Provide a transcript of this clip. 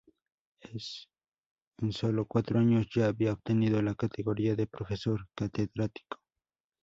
En sólo cuatro años ya había obtenido la categoría de profesor catedrático.